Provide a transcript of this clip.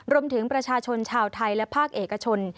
รวมถึงประชาชนชาวไทยและภาคเอกชน